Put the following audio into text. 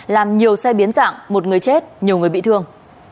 làm nhiều xe biến dạng một người chết nhiều người bị thương